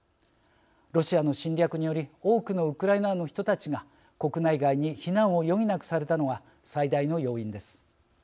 ロシアの侵略により多くのウクライナの人たちが国内外に避難を余儀なくされたのが最大の要因です。